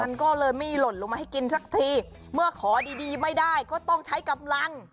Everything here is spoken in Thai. มันก็เลยไม่หล่นลงมาให้กินสักทีเมื่อขอดีดีไม่ได้ก็ต้องใช้กำลัง